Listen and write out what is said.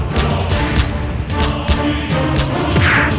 kau akan menang